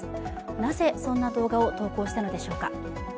なぜ、そんな動画を投稿したのでしょうか。